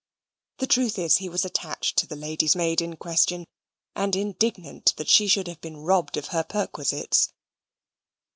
The truth is, he was attached to the lady's maid in question, and indignant that she should have been robbed of her perquisites.